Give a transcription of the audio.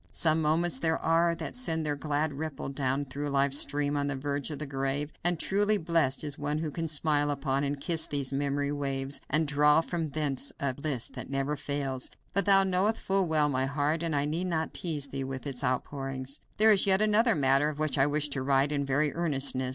Some moments there are, that send their glad ripple down through life's stream to the verge of the grave, and truly blest is one who can smile upon and kiss these memory waves, and draw from thence a bliss that never fails. But thou knowest full well my heart, and I need not tease thee with its outpourings. "There is yet another matter of which I wish to write in very earnestness.